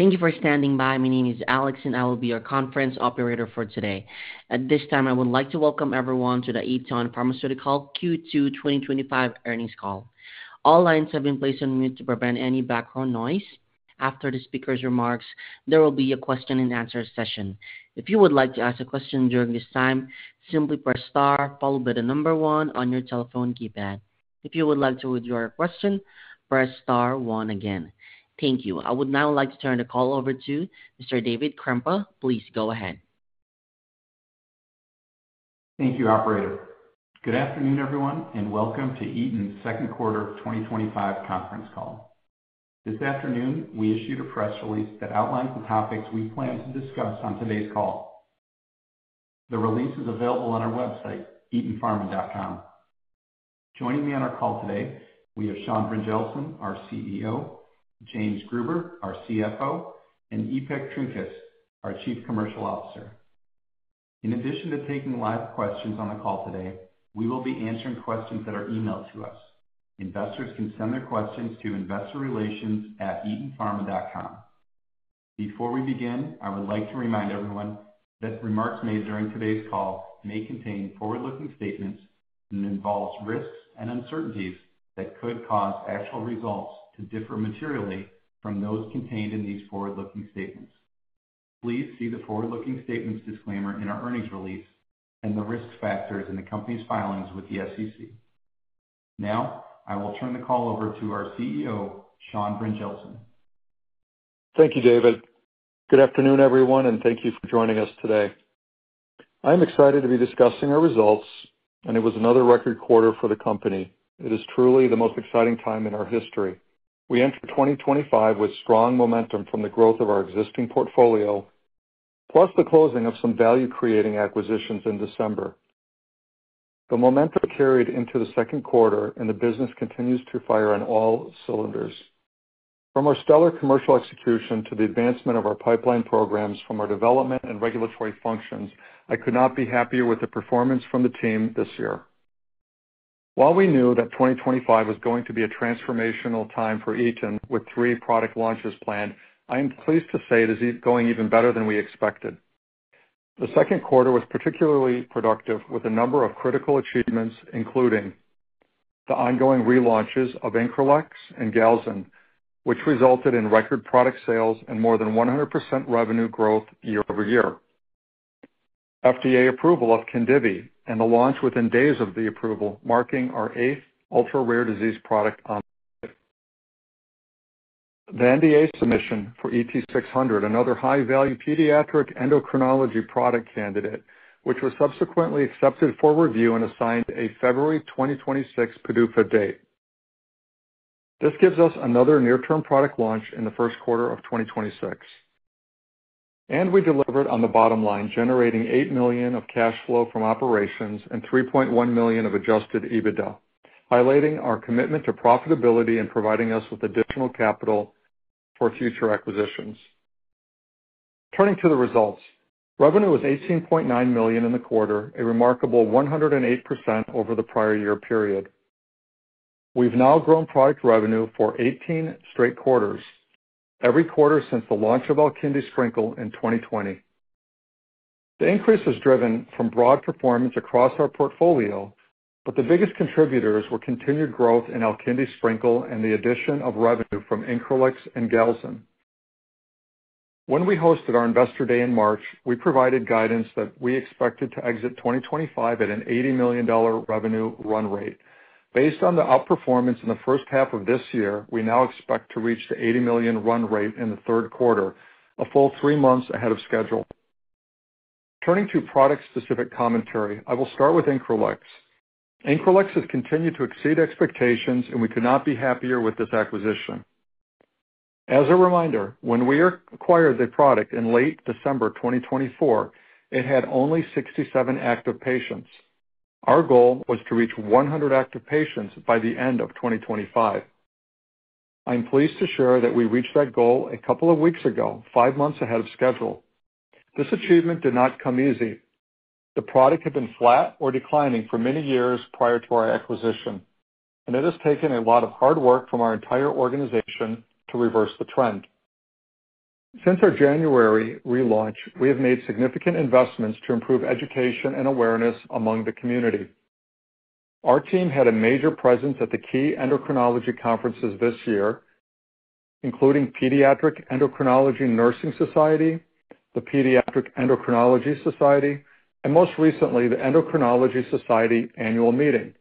Thank you for standing by. My name is Alex and I will be your conference operator for today. At this time, I would like to welcome everyone to the Eton Pharmaceuticals Q2 2025 Earnings Call. All lines have been placed on mute to prevent any background noise. After the speakers' remarks, there will be a question and answer session. If you would like to ask a question during this time, simply press star followed by the number one on your telephone keypad. If you would like to withdraw your question, press star one again. Thank you. I would now like to turn the call over to Sir David Krempa. Please go ahead. Thank you, operator. Good afternoon, everyone, and welcome to Eton's Second Quarter 2025 Conference Call. This afternoon we issued a press release that outlines the topics we plan to discuss on today's call. The release is available on our website, etonpharma.com. Joining me on our call today, we have Sean Brynjelsen, our CEO, James Gruber, our CFO, and Ipek Erdogan-Trinkaus, our Chief Commercial Officer. In addition to taking live questions on the call today, we will be answering questions that are emailed to us. Investors can send their questions to investorrelations@etonpharma.com. Before we begin, I would like to remind everyone that remarks made during today's call may contain forward-looking statements and involve risks and uncertainties that could cause actual results to differ materially from those contained in these forward-looking statements. Please see the forward-looking statements disclaimer in our earnings release and the risk factors in the company's filings with the SEC. Now I will turn the call over to our CEO, Sean Brynjelsen. Thank you, James. Good afternoon, everyone, and thank you for joining us today. I am excited to be discussing our results, and it was another record quarter for the company. It is truly the most exciting time in our history. We entered 2025 with strong momentum from the growth of our existing portfolio plus the closing of some value-creating acquisitions in December. The momentum carried into the second quarter, and the business continues to fire on all cylinders. From our stellar commercial execution to the advancement of our pipeline programs from our development and regulatory functions, I could not be happier with the performance from the team this year. While we knew that 2025 was going to be a transformational time for Eton with three product launches planned, I am pleased to say it is going even better than we expected. The second quarter was particularly productive with a number of critical achievements, including the ongoing relaunches of Increlex and Galzin, which resulted in record product sales and more than 100% revenue growth year-over-year, FDA approval of KHINDIVI, and the launch within days of the approval, marking our eighth ultra rare disease product on. The NDA submission for ET-600, another high value pediatric endocrinology product candidate which was subsequently accepted for review and assigned a February 2026 PDUFA date. This gives us another near term product launch in the first quarter of 2026, and we delivered on the bottom line, generating $8 million of cash flow from operations and $3.1 million of adjusted EBITDA, highlighting our commitment to profitability and providing us with additional capital for future acquisitions. Turning to the results, revenue was $18.9 million in the quarter, a remarkable 108% over the prior year period. We've now grown product revenue for 18 straight quarters, every quarter since the launch of Alkindi Sprinkle in 2020. The increase was driven from broad performance across our portfolio, but the biggest contributors were continued growth in Alkindi Sprinkle and the addition of revenue from Increlex and Galzin. When we hosted our Investor Day in March, we provided guidance that we expected to exit 2025 at an $80 million revenue run rate. Based on the outperformance in the first half of this year, we now expect to reach the $80 million run rate in the third quarter, a full three months ahead of schedule. Turning to product specific commentary, I will start with Increlex. Increlex has continued to exceed expectations and we could not be happier with this acquisition. As a reminder, when we acquired the product in late December 2024, it had only 67 active patients. Our goal was to reach 100 active patients by the end of 2025. I'm pleased to share that we reached that goal a couple of weeks ago, five months ahead of schedule. This achievement did not come easy. The product had been flat or declining for many years prior to our acquisition, and it has taken a lot of hard work from our entire organization to reverse the trend. Since our January relaunch, we have made significant investments to improve education and awareness among the community. Our team had a major presence at the key endocrinology conferences this year, including Pediatric Endocrinology Nursing Society, the Pediatric Endocrinology Society, and most recently the Endocrinology Society Annual Meeting.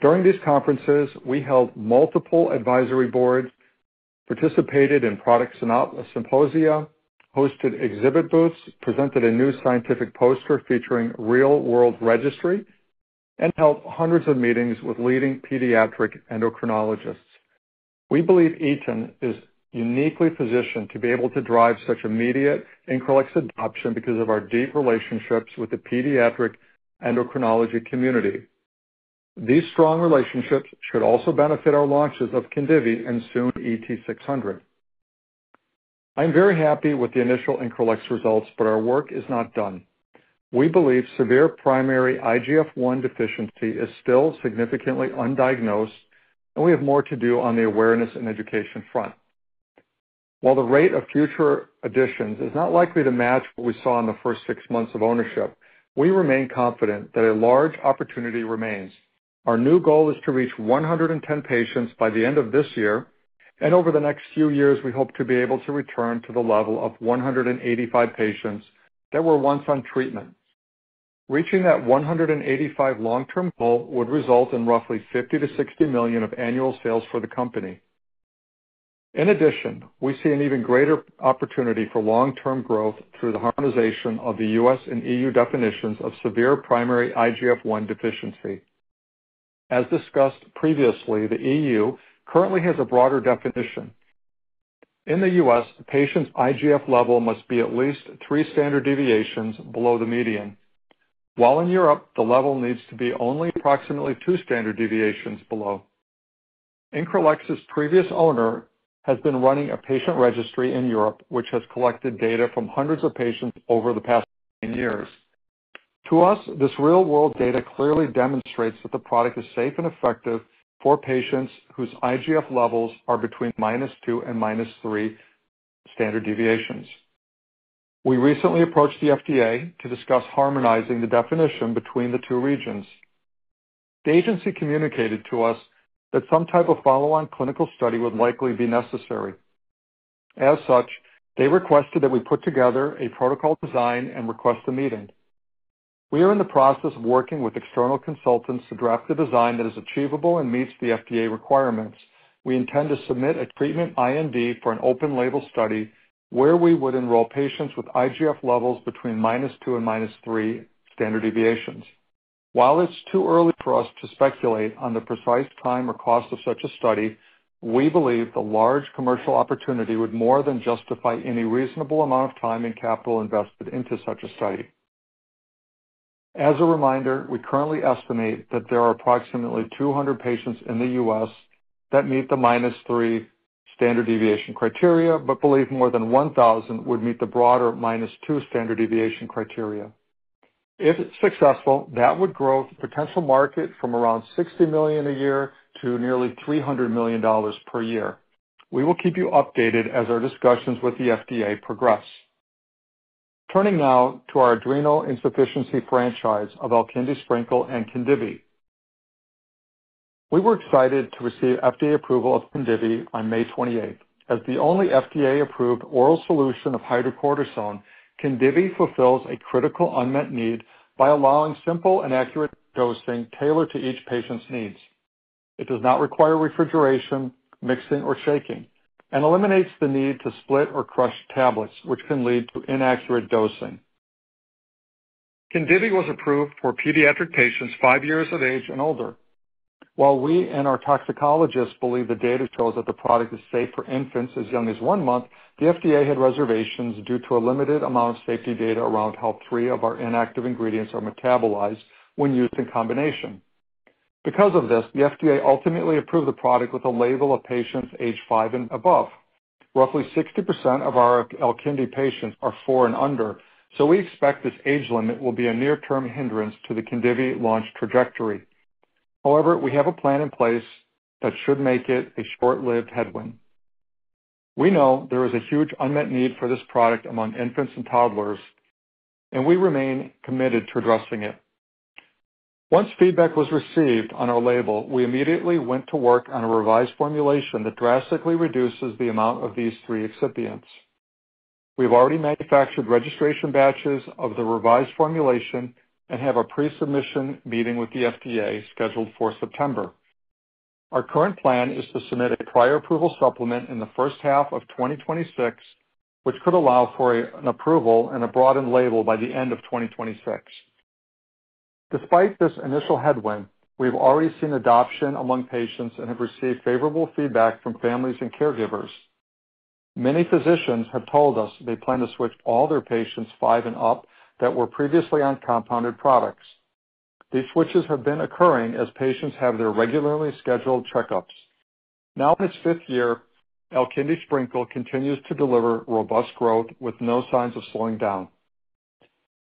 During these conferences, we held multiple advisory boards, participated in product symposia, hosted exhibit booths, presented a new scientific poster featuring Real World Registry, and held hundreds of meetings with leading pediatric endocrinologists. We believe Eton is uniquely positioned to be able to drive such immediate Increlex adoption because of our deep relationships with the pediatric endocrinology community. These strong relationships should also benefit our launches of KHINDIVI and soon ET-600. I'm very happy with the initial Increlex results, but our work is not done. We believe severe primary IGF-1 deficiency is still significantly undiagnosed and we have more to do on the awareness and education front. While the rate of future additions is not likely to match what we saw in the first six months of ownership, we remain confident that a large opportunity remains. Our new goal is to reach 110 patients by the end of this year and over the next few years we hope to be able to return to the level of 185 patients that were once on treatment. Reaching that 185 long term goal would result in roughly $50 million-$60 million of annual sales for the company. In addition, we see an even greater opportunity for long term growth through the harmonization of the U.S. and EU definitions of severe primary IGF-1 deficiency. As discussed previously, the EU currently has a broader definition. In the U.S. a patient's IGF level must be at least three standard deviations below the median, while in Europe the level needs to be only approximately 2 standard deviations below. Increlex's previous owner has been running a patient registry in Europe which has collected data from hundreds of patients over the past 10 years. To us this real world data clearly demonstrates that the product is safe and effective for patients whose IGF levels are between -2 and -3 standard deviations. We recently approached the FDA to discuss harmonizing the definition between the two regions. The agency communicated to us that some type of follow-on clinical study would likely be necessary. As such, they requested that we put together a protocol design and request a meeting. We are in the process of working with external consultants to draft a design that is achievable and meets the FDA requirements. We intend to submit a treatment IND for an open label study where we would enroll patients with IGF levels between -2 and -3 standard deviations. While it's too early for us to speculate on the precise time or cost of such a study, we believe the large commercial opportunity would more than justify any reasonable amount of time and capital invested into such a study. As a reminder, we currently estimate that there are approximately 200 patients in the U.S. that meet the -3 standard deviation criteria, but believe more than 1,000 would meet the broader -2 standard deviation criteria. If it's successful, that would grow potential market from around $60 million a year to nearly $300 million per year. We will keep you updated as our discussions with the FDA progress. Turning now to our adrenal insufficiency franchise of Alkindi Sprinkle and KHINDIVI, we were excited to receive FDA approval of KHINDIVI on May 28. As the only FDA approved oral solution of hydrocortisone, KHINDIVI fulfills a critical unmet need by allowing simple and accurate dosing tailored to each patient's needs. It does not require refrigeration, mixing, or shaking and eliminates the need to split or crush tablets, which can lead to inaccurate dosing. KHINDIVI was approved for pediatric patients 5 years of age and older. While we and our toxicologists believe the data shows that the product is safe for infants as young as one month, the FDA had reservations due to a limited amount of safety data around how three of our inactive ingredients are metabolized when used in combination. Because of this, the FDA ultimately approved the product with a label of patients age 5 and above. Roughly 60% of our Alkindi patients are 4 and under, so we expect this age limit will be a near term hindrance to the KHINDIVI launch trajectory. However, we have a plan in place that should make it a short lived headwind. We know there is a huge unmet need for this product among infants and toddlers and we remain committed to addressing it. Once feedback was received on our label, we immediately went to work on a revised formulation that drastically reduces the amount of these three excipients. We have already manufactured registration batches of the revised formulation and have a pre submission meeting with the FDA scheduled for September. Our current plan is to submit a prior approval supplement in the first half of 2026, which could allow for an approval and a broadened label by the end of 2026. Despite this initial headwind, we have already seen adoption among patients and have received favorable feedback from families and caregivers. Many physicians have told us they plan to switch all their patients five and up that were previously on compounded products. These switches have been occurring as patients have their regularly scheduled checkups. Now in its fifth year, Alkindi Sprinkle continues to deliver robust growth with no signs of slowing down.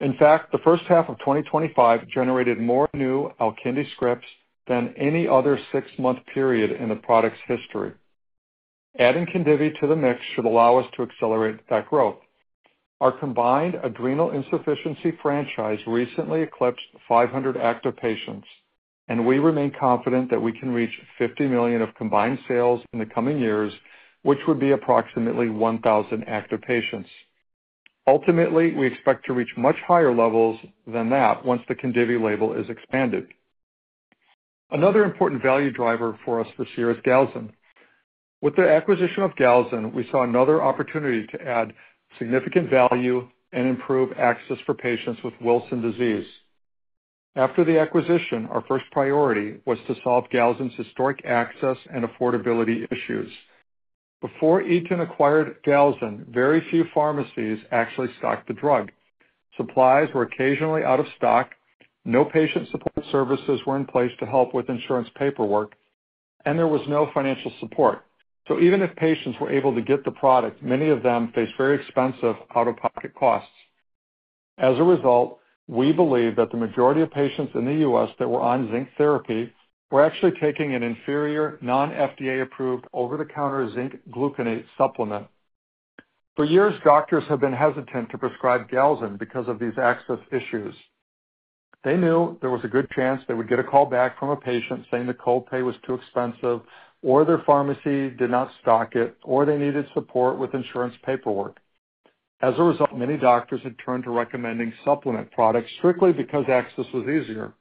In fact, the first half of 2025 generated more new Alkindi scripts than any other six-month period in the product's history. Adding KHINDIVI to the mix should allow us to accelerate that growth. Our combined adrenal insufficiency franchise recently eclipsed 500 active patients and we remain confident that we can reach $50 million of combined sales in the coming years, which would be approximately 1,000 active patients. Ultimately, we expect to reach much higher levels than that once the KHINDIVI label is expanded. Another important value driver for us this year is Galzin. With the acquisition of Galzin, we saw another opportunity to add significant value and improve access for patients with Wilson disease. After the acquisition, our first priority was to solve Galzin's historic access and affordability issues. Before Eton acquired Galzin, very few pharmacies actually stocked the drug. Supplies were occasionally out of stock, no patient services were in place to help with insurance paperwork, and there was no financial support. Even if patients were able to get the product, many of them faced very expensive out-of-pocket costs. As a result, we believe that the majority of patients in the U.S. that were on zinc therapy were actually taking an inferior non-FDA approved over-the-counter zinc gluconate supplement. For years, doctors have been hesitant to prescribe Galzin because of these access issues. They knew there was a good chance they would get a call back from a patient saying the copay was too expensive or their pharmacy did not stock it or they needed support with insurance paperwork. As a result, many doctors had turned to recommending supplement products strictly because access was easier.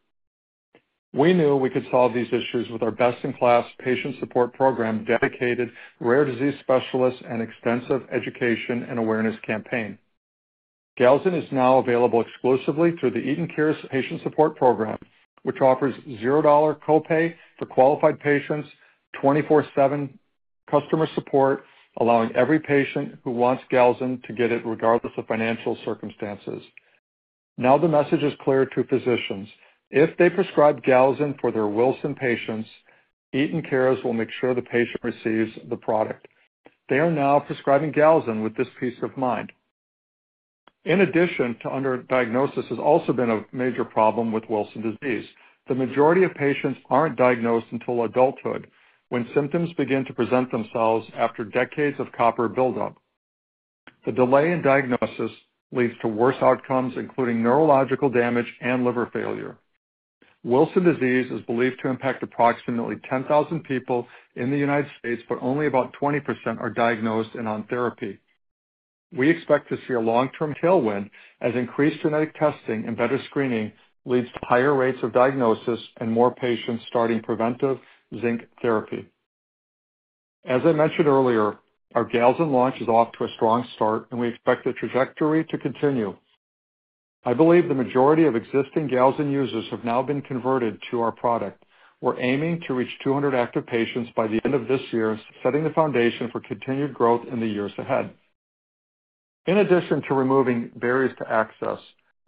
We knew we could solve these issues with our best-in-class patient support program, dedicated rare disease specialists, and extensive education and awareness campaign. Galzin is now available exclusively through the Eton Cares patient support program, which offers $0 copay for qualified patients and 24/7 customer support, allowing every patient who wants Galzin to get it regardless of financial circumstances. Now the message is clear to physicians. If they prescribe Galzin for their Wilson patients, Eton Cares will make sure the patient receives the product. They are now prescribing Galzin with confidence. This peace of mind, in addition to underdiagnosis, has also been a major problem with Wilson disease. The majority of patients aren't diagnosed until adulthood when symptoms begin to present themselves after decades of copper buildup. The delay in diagnosis leads to worse outcomes, including neurological damage and liver failure. Wilson disease is believed to impact approximately 10,000 people in the United States, but only about 20% are diagnosed and on therapy. We expect to see a long-term tailwind as increased genetic testing and better screening lead to higher rates of diagnosis and more patients starting preventive zinc therapy. As I mentioned earlier, our Galzin launch is off to a strong start and we expect the trajectory to continue. I believe the majority of existing Galzin users have now been converted to our product. We're aiming to reach 200 active patients by the end of this year, setting the foundation for continued growth in the years ahead. In addition to removing barriers to access,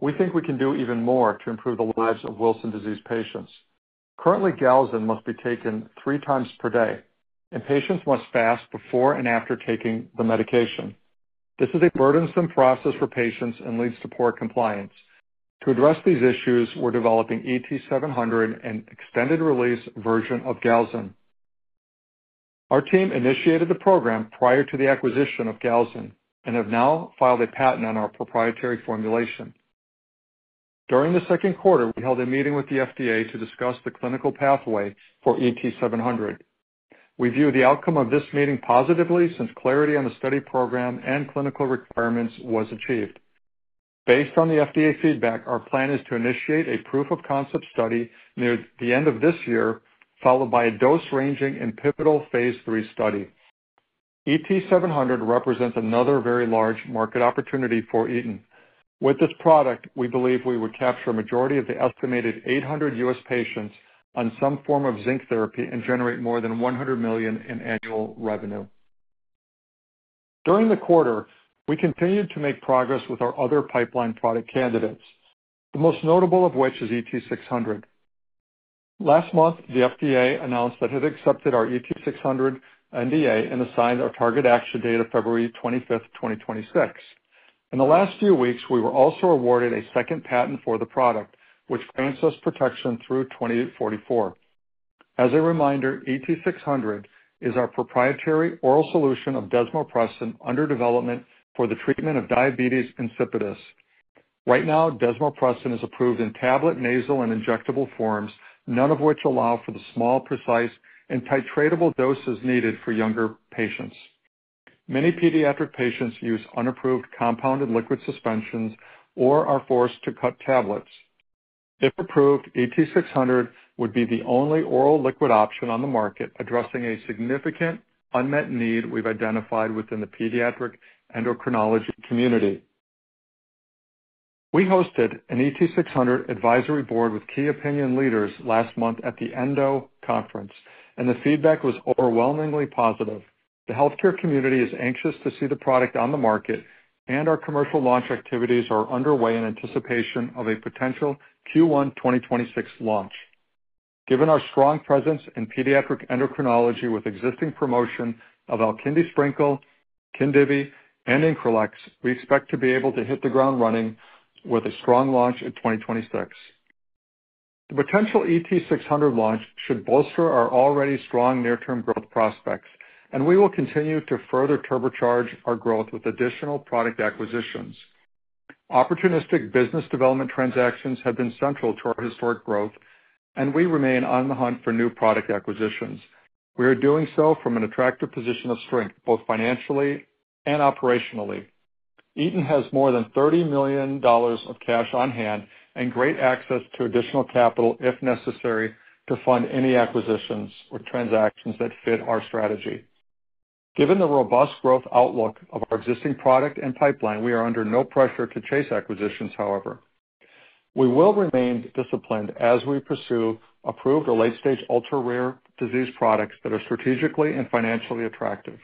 we think we can do even more to improve the lives of Wilson disease patients. Currently, Galzin must be taken three times per day and patients must fast before and after taking the medication. This is a burdensome process for patients and leads to poor compliance. To address these issues, we're developing ET-700, an extended-release version of Galzin. Our team initiated the program prior to the acquisition of Galzin and have now filed a patent on our proprietary formulation. During the second quarter, we held a meeting with the FDA to discuss the clinical pathway for ET-700. We view the outcome of this meeting positively since clarity on the study program and clinical requirements was achieved based on the FDA feedback. Our plan is to initiate a proof-of-concept study near the end of this year, followed by a dose-ranging and pivotal phase 3 study. ET-700 represents another very large market opportunity for Eton. With this product, we believe we would capture a majority of the estimated 800 U.S. patients on some form of zinc therapy and generate more than $100 million in annual revenue. During the quarter, we continued to make progress with our other pipeline product candidates, the most notable of which is ET600. Last month, the FDA announced that it accepted our ET-600 NDA and assigned our target action date of February 25th, 2026. In the last few weeks, we were also awarded a second patent for the product, which grants us protection through 2044. As a reminder, ET-600 is our proprietary oral solution of desmopressin under development for the treatment of diabetes insipidus. Right now, desmopressin is approved in tablet, nasal, and injectable forms, none of which allow for the small, precise, and titratable doses needed for younger patients. Many pediatric patients use unapproved compounded liquid suspensions or are forced to cut tablets. If approved, ET-600 would be the only oral liquid option on the market, addressing a significant unmet need we've identified within the pediatric endocrinology community. We hosted an ET-600 advisory board with key opinion leaders last month at the ENDO conference, and the feedback was overwhelmingly positive. The healthcare community is anxious to see the product on the market, and our commercial launch activities are underway in anticipation of a potential Q1 2026 launch. Given our strong presence in pediatric endocrinology with existing promotion of Alkindi Sprinkle, KHINDIVI, and Increlex, we expect to be able to hit the ground running with a strong launch in 2026. The potential ET-600 launch should bolster our already strong near-term growth prospects, and we will continue to further turbocharge our growth with additional product acquisitions. Opportunistic business development transactions have been central to our historic growth, and we remain on the hunt for new product acquisitions. We are doing so from an attractive position of strength both financially and operationally. Eton has more than $30 million of cash on hand and great access to additional capital if necessary to fund any acquisitions or transactions that fit our strategy. Given the robust growth outlook of our existing product and pipeline, we are under no pressure to chase acquisitions. However, we will remain disciplined as we pursue approved or late-stage ultra rare disease products that are strategically and financially attractive.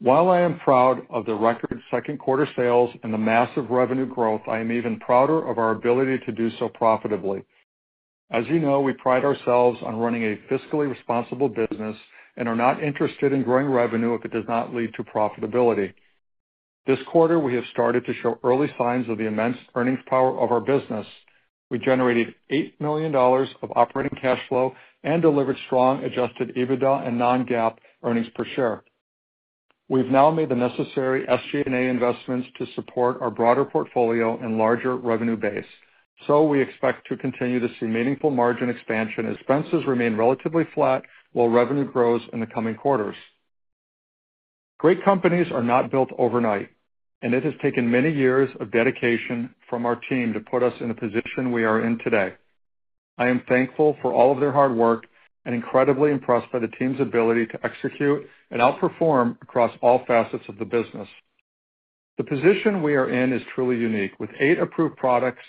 While I am proud of the record second quarter sales and the massive revenue growth, I am even prouder of our ability to do so profitably. As you know, we pride ourselves on running a fiscally responsible business and are not interested in growing revenue if it does not lead to profitability. This quarter, we have started to show early signs of the immense earnings power of our business. We generated $8 million of operating cash flow and delivered strong adjusted EBITDA and non-GAAP earnings per share. We've now made the necessary SG&A investments to support our broader portfolio and larger revenue base. We expect to continue to see meaningful margin expansion as expenses remain relatively flat while revenue grows in the coming quarters. Great companies are not built overnight, and it has taken many years of dedication from our team to put us in the position we are in today. I am thankful for all of their hard work and incredibly impressed by the team's ability to execute and outperform across all facets of the business. The position we are in is truly unique, with eight approved products,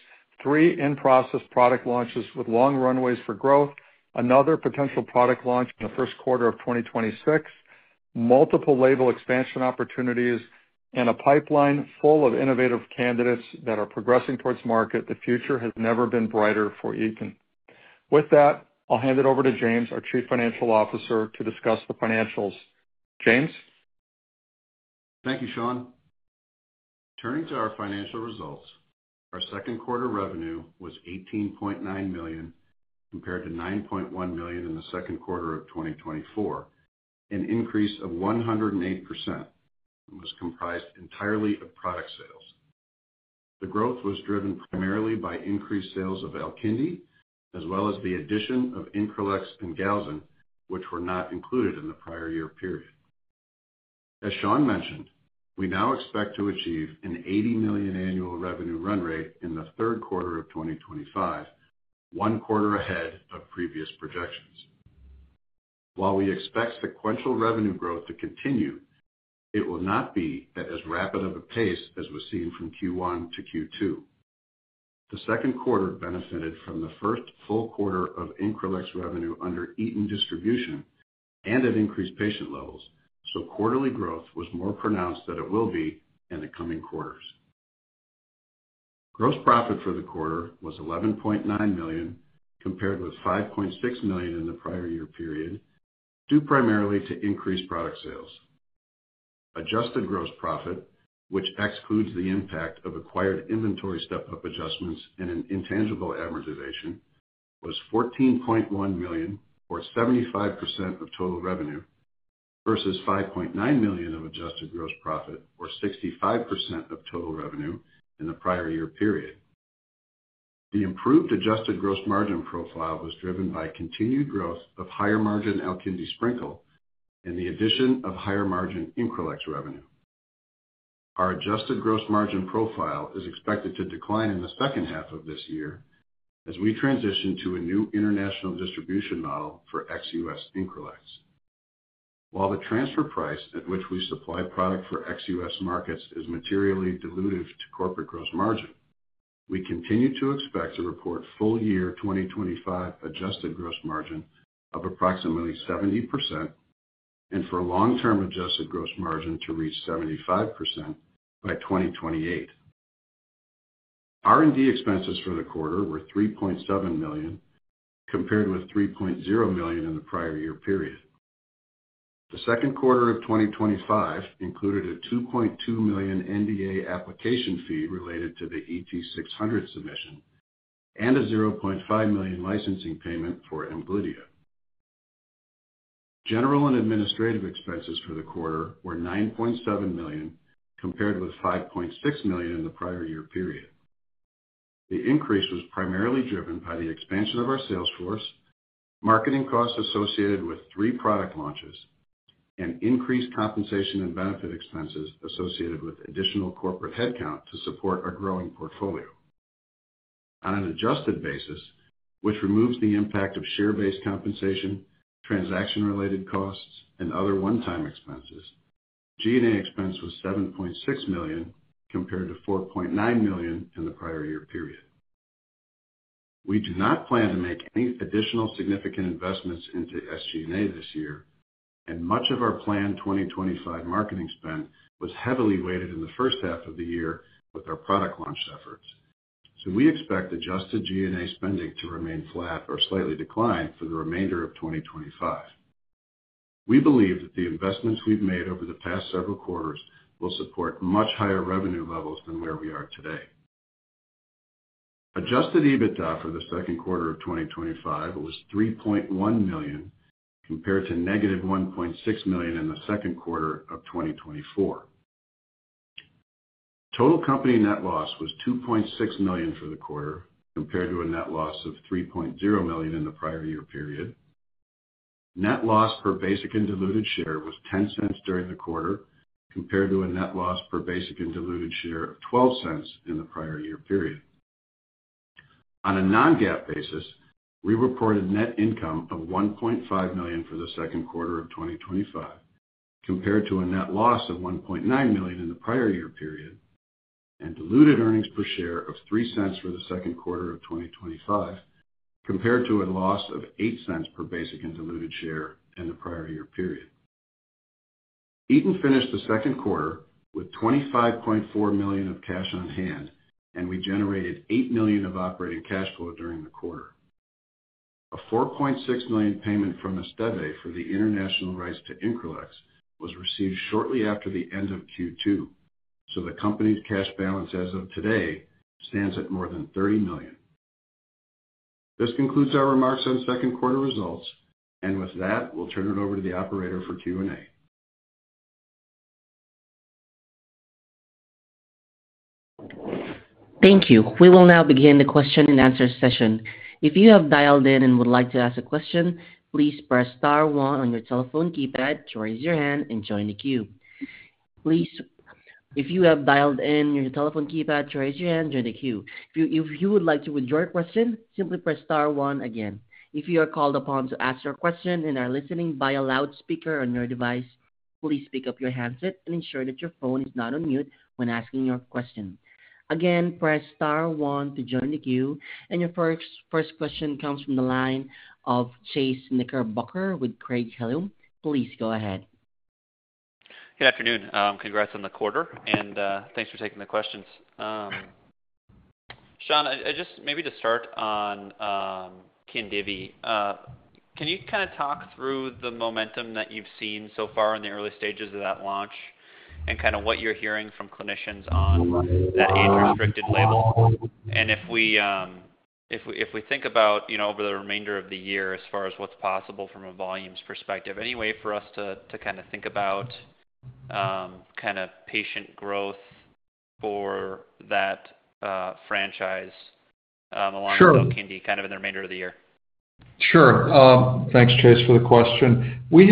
three in-process product launches with long runways for growth, another potential product launch in the first quarter of 2026, multiple label expansion opportunities, and a pipeline full of innovative candidates that are progressing towards market. The future has never been brighter for Eton. With that, I'll hand it over to James, our Chief Financial Officer, to discuss the financials. James? Thank you, Sean. Turning to our financial results, our second quarter revenue was $18.9 million compared to $9.1 million in the second quarter of 2024. An increase of 108% was comprised entirely of product sales. The growth was driven primarily by increased sales of Alkindi as well as the addition of Increlex and Galzin, which were not included in the prior year period. As Sean mentioned, we now expect to achieve an $80 million annual revenue run rate in the third quarter of 2025, one quarter ahead of previous projections. While we expect sequential revenue growth to continue, it will not be at as rapid of a pace as was seen from Q1 to Q2. The second quarter benefited from the first full quarter of Increlex revenue under Eton distribution and at increased patient levels, so quarterly growth was more pronounced than it will be in the coming quarters. Gross profit for the quarter was $11.9 million compared with $5.6 million in the prior year period due primarily to increased product sales. Adjusted gross profit, which excludes the impact of acquired inventory step-up adjustments and intangible amortization, was $14.1 million or 75% of total revenue versus $5.9 million of adjusted gross profit or 65% of total revenue in the prior year period. The improved adjusted gross margin profile was driven by continued growth of higher margin Alkindi Sprinkle and the addition of higher margin Increlex revenue. Our adjusted gross margin profile is expected to decline in the second half of this year as we transition to a new international distribution model for ex-U.S. Increlex. While the transfer price at which we supply product for ex-U.S. markets is materially dilutive to corporate gross margin, we continue to expect to report full year 2025 adjusted gross margin of approximately 70% and for long-term adjusted gross margin to reach 75% by 2028. R&D expenses for the quarter were $3.7 million compared with $3.0 million in the prior year period. The second quarter of 2025 included a $2.2 million NDA application fee related to the ET600 submission and a $0.5 million licensing payment for KHINDIVI. General and administrative expenses for the quarter were $9.7 million compared with $5.6 million in the prior year period. The increase was primarily driven by the expansion of our sales force, marketing costs associated with three product launches, and increased compensation and benefit expenses associated with additional corporate headcount to support our growing portfolio. On an adjusted basis, which removes the impact of share-based compensation, transaction-related costs, and other one-time expenses, G&A expense was $7.6 million compared to $4.9 million in the prior year period. We do not plan to make any additional significant investments into SG&A this year, and much of our planned 2025 marketing spend was heavily weighted in the first half of the year with our product launch efforts. We expect adjusted G&A spending to remain flat or slightly decline for the remainder of 2025. We believe that the investments we've made over the past several quarters will support much higher revenue levels than where we are today. Adjusted EBITDA for the second quarter of 2025 was $3.1 million compared to negative $1.6 million in the second quarter of 2024. Total company net loss was $2.6 million for the quarter compared to a net loss of $3.0 million in the prior year period. Net loss per basic and diluted share was $0.10 during the quarter compared to a net loss per basic and diluted share of $0.12 in the prior year period. On a non-GAAP basis, we reported net income of $1.5 million for the second quarter of 2025 compared to a net loss of $1.9 million in the prior year period and diluted earnings per share of $0.03 for the second quarter of 2025 compared to a loss of $0.08 per basic and diluted share in the prior year period. Eton finished the second quarter with $25.4 million of cash on hand, and we generated $8 million of operating cash flow during the quarter. A $4.6 million payment from Esteve for the international rights to Increlex was received shortly after the end of Q2, so the company's cash balance as of today stands at more than $30 million. This concludes our remarks on second quarter results, and with that, we'll turn it over to the operator for Q&A. Thank you. We will now begin the question and answer session. If you have dialed in and would like to ask a question, please press star one on your telephone keypad to raise your hand and join the queue. If you would like to withdraw a question, simply press star one again. If you are called upon to ask your question and are listening by a loudspeaker on your device, please pick up your handset and ensure that your phone is not on mute. When asking your question, again press Star one to join the queue. Your first question comes from the line of Chase Knickerbocker with Craig-Hallum. Please go ahead. Good afternoon. Congrats on the quarter and thanks for taking the questions. Sean, maybe to start on KHINDIVI, can you kind of talk through the momentum that you've seen so far in the early stages of that launch and what you're hearing from clinicians on that age-restricted label? If we think about over the remainder of the year as far as what's possible from a volumes perspective, any way for us to think about patient growth for that franchise along with Alkindi? In the remainder of the year. Sure. Thanks, Chase, for the question. We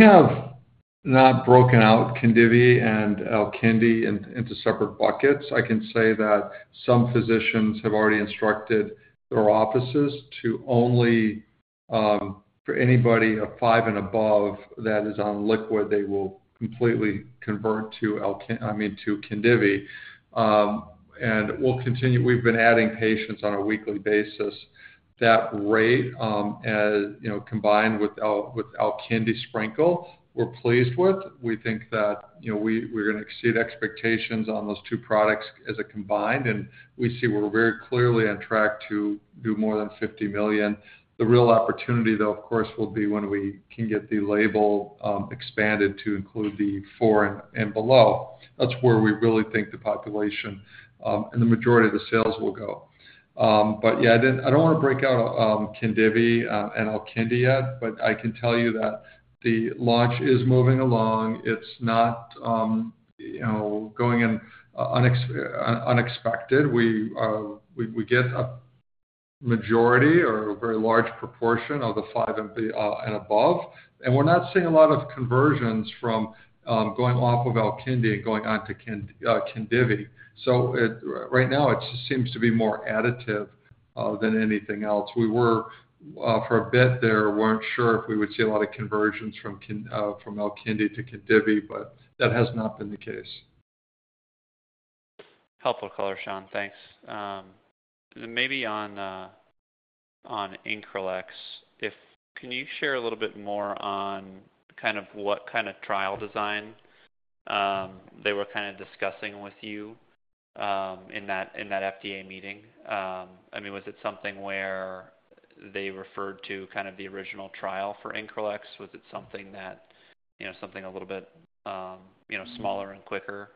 have not broken out KHINDIVI and Alkindi into separate buckets. I can say that some physicians have already instructed their offices to only, for anybody of five and above that is on liquid, they will completely convert to, I mean, to KHINDIVI, and we'll continue. We've been adding patients on a weekly basis. That rate, you know, combined with Alkindi Sprinkle, we're pleased with. We think that, you know, we're going to exceed expectations on those two products as a combined. We see we're very clearly on track to do more than $50 million. The real opportunity, though, of course, will be when we can get the label expanded to include the four and below. That's where we really think the population and the majority of the sales will go. Yeah, I don't want to break out KHINDIVI and Alkindi yet. I can tell you that the launch is moving along. It's not, you know, going unexpected. We get a majority or a very large proportion of the five and above, and we're not seeing a lot of conversions from going off of Alkindi and going on to KHINDIVI. Right now it just seems to be more additive than anything else. We were, for a bit there, weren't sure if we would see a lot of conversions from Alkindi to KHINDIVI, but that has not been the case. Helpful color. Sean, thanks. Maybe on Increlex, can you share a little bit more on kind of what kind of trial design they were kind of discussing with you in that FDA meeting? I mean, was it something where they referred to kind of the original trial for Increlex? Was it something that, you know, something a little bit, you know, smaller and quicker,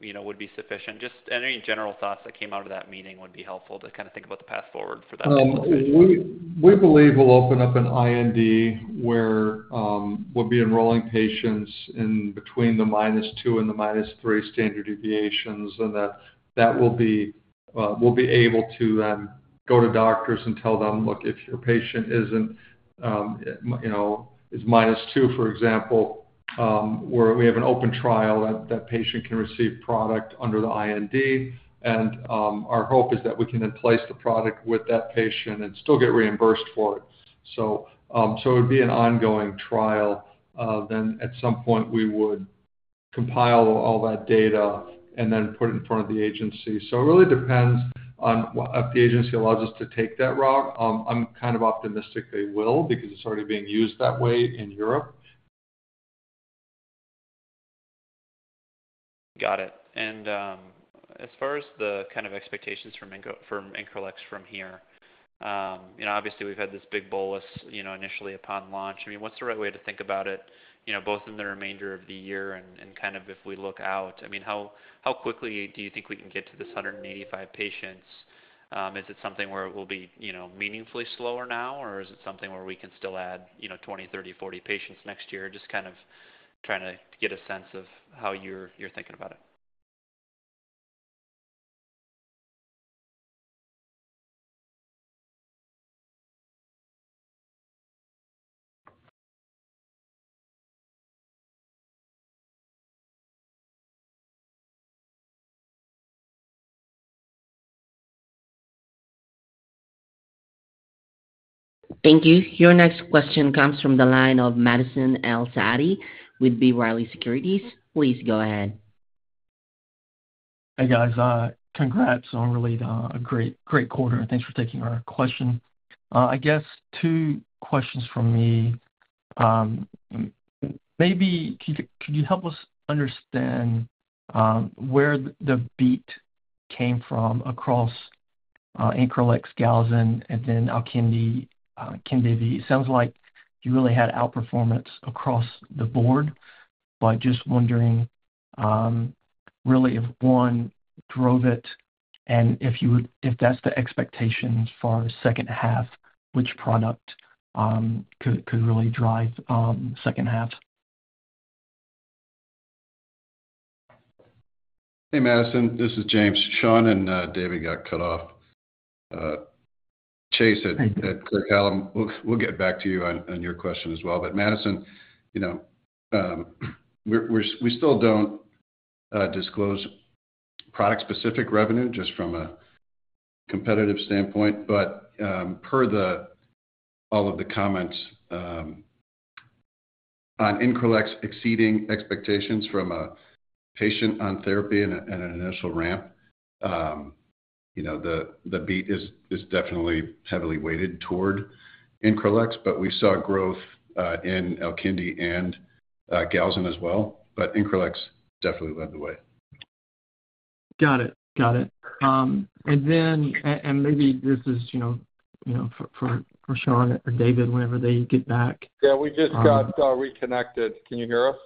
you know, would be sufficient? Just any general thoughts that came out of that meeting would be helpful to kind of think about the path forward for that. We believe we'll open up an IND where we'll be enrolling patients in between the -2 and the -3 standard deviations. That will be, we'll be able to go to doctors and tell them, look, if your patient is, you know, minus 2, for example, where we have an open trial, that patient can receive product under the IND. Our hope is that we can then place the product with that patient and still get reimbursed for it. It would be an ongoing trial. At some point we would compile all that data and then put it in front of the agency. It really depends on if the agency allows us to take that route. I'm kind of optimistic they will because it's already being used that way in Europe. Got it. As far as the kind of expectations from Increlex, from here, you know, obviously we've had this big bolus initially upon launch. I mean, what's the right way to think about it, you know, both in the remainder of the year and kind of if we look out, I mean, how quickly do you think we can get to this 185 patients? Is it something where it will be meaningfully slower now or is it something where we can still add 20, 30, 40 patients next year? Just kind of trying to get a sense of how you're thinking about it. Thank you. Your next question comes from the line of Madison El-Saadi with B. Riley Securities. Please go ahead. Hey guys, congrats on really a great, great quarter and thanks for taking our question. I guess two questions from me. Maybe could you help us understand where the beat came from across Increlex, Galzin, and then Alkindi. Sounds like you really had outperformance across the board, just wondering really if one drove it and if that's the expectations for the second half, which product could really drive second half? Hey, Madison, this is James. Sean and David got cut off. Chase, we'll get back to you on your question as well. Madison, you know, we still don't disclose product specific revenue, just from a competitive standpoint. Per all of the comments on Increlex exceeding expectations from a patient on therapy and an initial ramp, the beat is definitely heavily weighted toward Increlex, but we saw growth in Alkindi and Galzin as well. Increlex definitely led the way. Got it, got it. Maybe this is you. For Sean or David whenever they get back. Yeah, we just got reconnected. Can you hear us?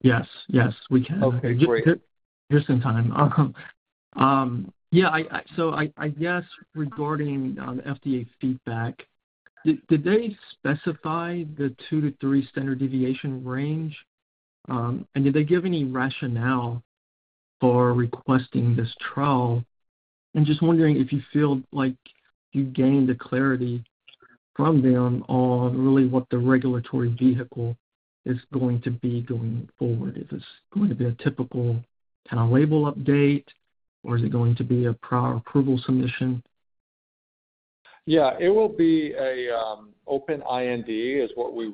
Yes, yes, we can. Okay, great. Just in time. Yeah. I guess regarding FDA feedback, did they specify the -2 to -3 standard deviation range, and did they give any rationale for requesting this trial? I'm just wondering if you feel like you gained the clarity from them on really what the regulatory vehicle is going to be going forward, if it's going to be a typical kind of label update or is it going to be a prior approval submission? Yeah, it will be an open IND is what we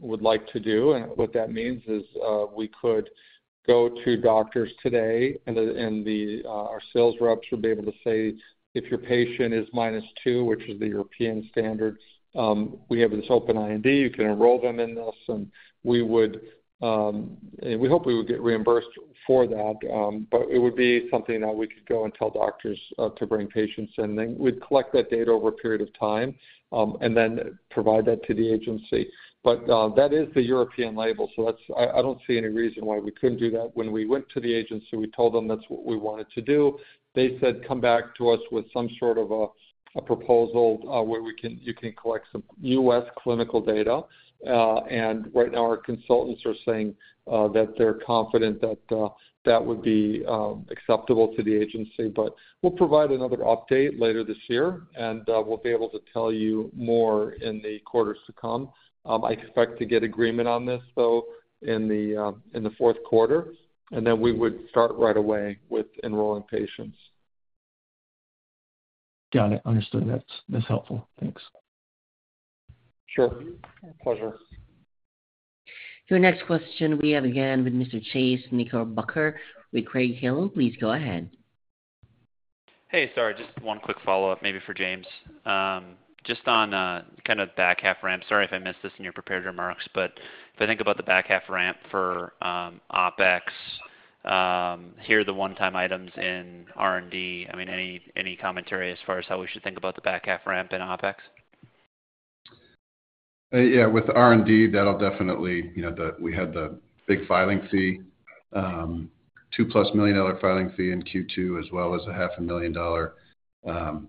would like to do. What that means is we could go to doctors today and our sales reps will be able to say if your patient is -2, which is the European standards, we have this open IND, you can enroll them in this. We hope we would get reimbursed for that, but it would be something that we could go and tell doctors to bring patients and then we'd collect that data over a period of time and then provide that to the agency. That is the European label. I don't see any reason why we couldn't do that. When we went to the agency, we told them that's what we wanted to do. They said come back to us with some sort of a proposal where you can collect some U.S. clinical data. Right now our consultants are saying that they're confident that that would be acceptable to the agency. We'll provide another update later this year and we'll be able to tell you more in the quarters to come. I expect to get agreement on this in the fourth quarter and then we would start right away with enrolling patients. Got it. Understood. That's helpful. Thanks. Sure. Pleasure. Your next question, we have again with Mr. Chase Knickerbocker with Craig-Hallum. Please go ahead. Hey, sorry, just one quick follow-up maybe for James, just on kind of back half ramp. Sorry if I missed this in your prepared remarks. If I think about the back half ramp for OpEx, here are the one-time items in R&D. Any commentary as far as how we should think about the back half ramp in OpEx? Yeah, with R&D that'll definitely, you know, we had the big filing fee, $2+ million filing fee in Q2, as well as a $0.5 million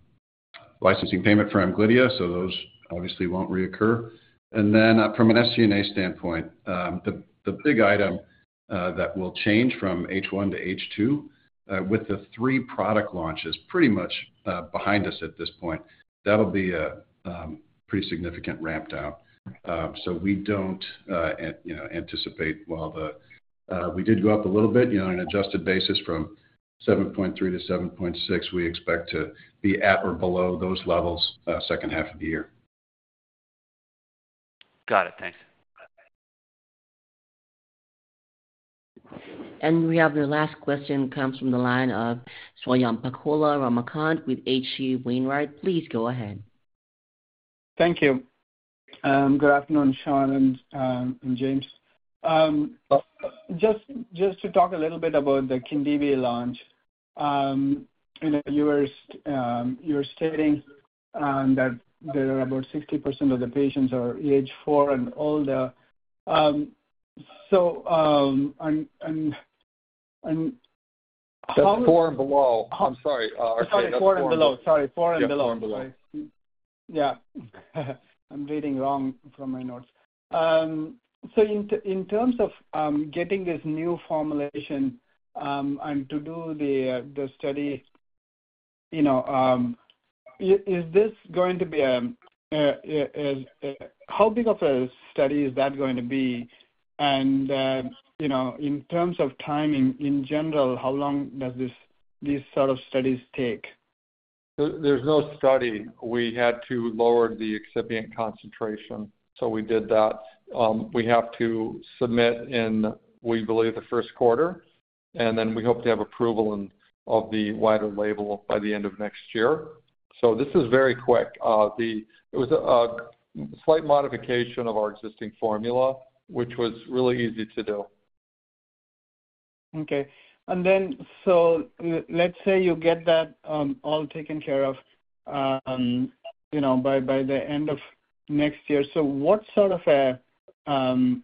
licensing payment for AM Glydia. Those obviously won't reoccur. From an SG&A standpoint, the big item that will change from H1 to H2, with the three product launches pretty much behind us at this point, that'll be a pretty significant ramp down. We don't anticipate, while we did go up a little bit, you know, on an adjusted basis from $7.3 million to $7.6 million, we expect to be at or below those levels second half of the year. Got it. Thanks. We have the last question comes from the line of Swayampakula Ramakanth with H.C. Wainwright. Please go ahead. Thank you. Good afternoon, Sean and James, just to talk a little bit about the KHINDIVI launch. You're stating that there are about 60% of the patients are age 4 and below. Sorry, 4 and below. Sorry, 4 and below. I'm reading wrong from my notes. In terms of getting this new formulation and to do the study, is this going to be, how big of a study is that going to be? In terms of timing in general, how long do these sort of studies take? is no study. We had to lower the excipient concentration, so we did that. We have to submit in, we believe, the first quarter, and we hope to have approval of the wider label by the end of next year. This is very quick. It was a slight modification of our existing formula, which was really easy to do. Okay. Let's say you get that all taken care of by the end of next year. What sort of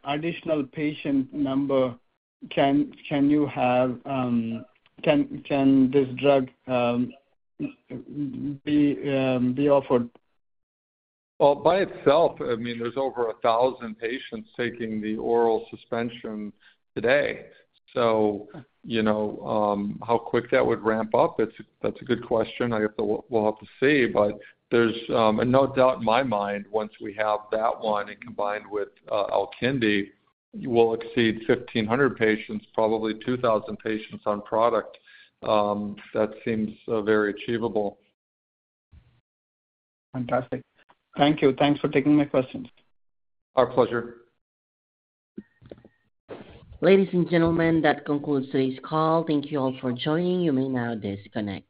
additional patient number can you have? Can this drug be offered? There is over 1,000 patients taking the oral suspension today. You know how quick that would ramp up? That's a good question. I will have to see. There is no doubt in my mind once we have that one combined with Alkindi Sprinkle, we'll exceed 1,500 patients, probably 2,000 patients on product. That seems very achievable. Fantastic. Thank you. Thanks for taking my questions. Our pleasure. Ladies and gentlemen, that concludes today's call. Thank you all for joining. You may now disconnect.